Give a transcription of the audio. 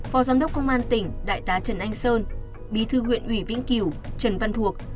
phó giám đốc công an tỉnh đại tá trần anh sơn bí thư huyện ủy vĩnh cửu trần văn thuộc